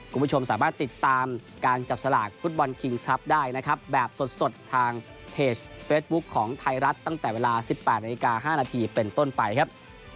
คุณผู้ชมสามารถติดตามการจับสลากฟุตบอลคิงทรัพย์ได้นะครับแบบสดทางเพจเฟสบุ๊คของไทยรัฐตั้งแต่เวลา๑๘นาฬิกา๕นาทีเป็นต้นไปครับ